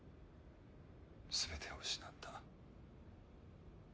全てを失った。